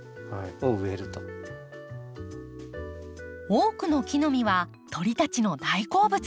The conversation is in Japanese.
多くの木の実は鳥たちの大好物。